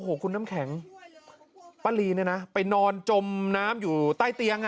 โอ้โหคุณน้ำแข็งป้าลีเนี่ยนะไปนอนจมน้ำอยู่ใต้เตียงอ่ะ